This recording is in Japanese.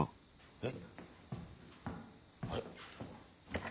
えっ？